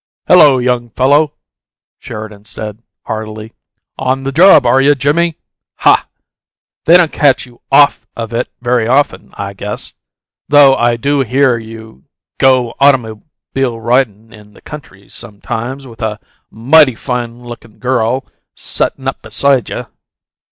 "Hello, young fellow!" Sheridan said, heartily. "On the job, are you, Jimmie? Ha! They don't catch you OFF of it very often, I guess, though I do hear you go automobile ridin' in the country sometimes with a mighty fine lookin' girl settin' up beside you!"